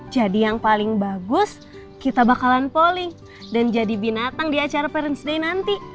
jadi yang paling bagus kita bakalan poling dan jadi binatang di acara parents' day nanti